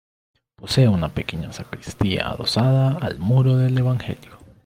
Posee una pequeña sacristía adosada al muro del Evangelio.